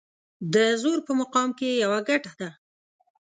د زور په مقام کې يوه ګټه ده.